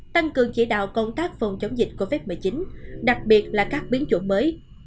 tăng cường chỉ đạo công tác phòng chống dịch covid một mươi chín đặc biệt là các biến chủng mới